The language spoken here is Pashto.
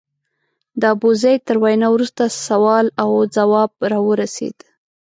د ابوزید تر وینا وروسته سوال او ځواب راورسېد.